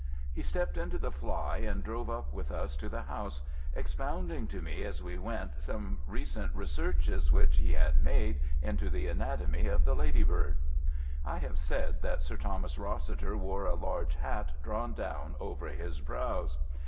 He stepped into the fly and drove up with us to the house, expounding to me as we went some recent researches which he had made into the anatomy of the lady bird. I have said that Sir Thomas Rossiter wore a large hat drawn down over his brows.